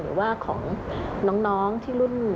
หรือว่าของน้องที่รุ่น